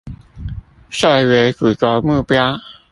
設為主軸目標